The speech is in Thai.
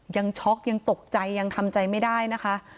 ช็อกยังตกใจยังทำใจไม่ได้นะคะ